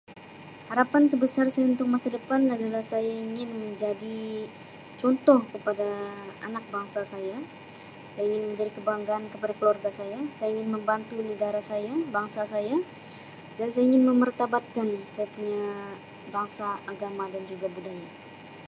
Harapan terbesar saya untuk masa depan adalah saya ingin menjadi contoh kepada anak bangsa saya, saya ingin menjadi kebanggaan kepada keluarga saya, ingin membantu negara saya, bangsa saya dan saya ingin memartabatkan bangsa agama dan juga budaya.